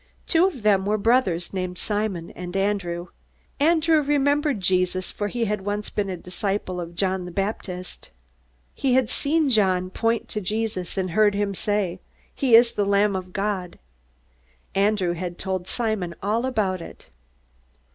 Two of them were brothers named Simon and Andrew. Andrew remembered Jesus, for he had once been a disciple of John the Baptist. He had seen John point to Jesus, and heard him say, "He is the Lamb of God!" Andrew had told Simon all about it.